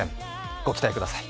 ご期待ください。